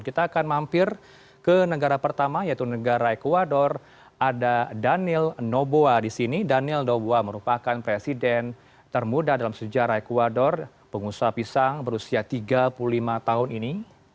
kita akan mampir ke negara pertama yaitu negara ecuador ada daniel noboa di sini daniel doboa merupakan presiden termuda dalam sejarah ecuador pengusaha pisang berusia tiga puluh lima tahun ini